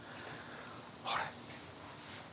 あれ？